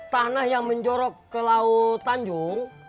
tanah yang menjorok ke laut tanjung